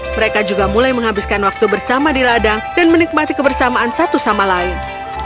mereka juga mulai menghabiskan waktu bersama di ladang dan menikmati kebersamaan satu sama lain